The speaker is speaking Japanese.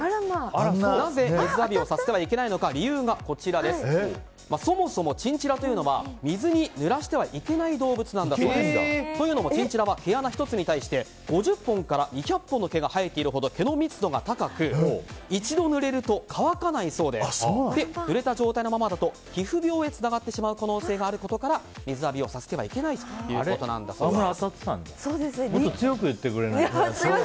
なぜ水浴びをさせてはいけないのか理由がそもそもチンチラというのは水にぬらしてはいけない動物なんだそうです。というのもチンチラは毛穴１つに対して５０本から２００本の毛が生えているほど毛の密度が高く一度ぬれると乾かないそうでぬれた状態のままだと皮膚病につながってしまう可能性があることから水浴びをさせてはいけないということなんだそうです。